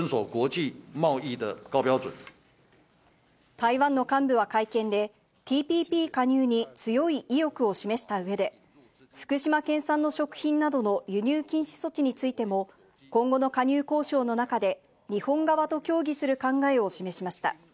台湾の幹部は会見で、ＴＰＰ加入に強い意欲を示したうえで、福島県産の食品などの輸入禁止措置についても、今後の加入交渉の中で、日本側と協議する考えを示しました。